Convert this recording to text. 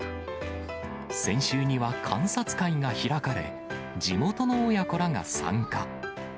先週には観察会が開かれ、地元の親子らが参加。